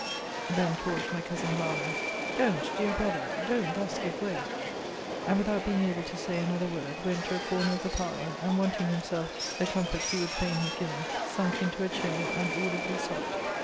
Then towards my cousin Harlowe Don't dear Brother! Don't thus give way And, without being able to say another word, went to a corner of the parlour, and, wanting himself the comfort he would fain have given, sunk into a chair, and audibly sobbed.